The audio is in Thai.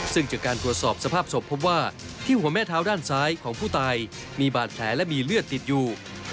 ซึ่งจากการตรวจสอบสภาพศพพบว่าที่หัวแม่เท้าด้านซ้ายของผู้ตายมีบาดแผลและมีเลือดติดอยู่